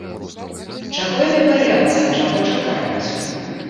Чаго яны баяцца, а чаго чакаюць?